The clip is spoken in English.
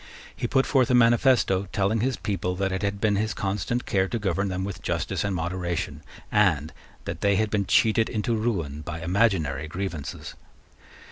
He put forth a manifesto, telling his people that it had been his constant care to govern them with justice and moderation, and that they had been cheated into ruin by imaginary grievances.